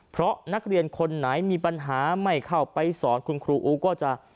เพราะนักเรียนคนไหนมีปัญหาไม่เข้าไปสอนคุณครูอู๋ก็จะ